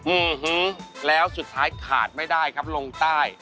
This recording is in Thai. ื้อฮือแล้วสุดท้ายขาดไม่ได้ครับลงใต้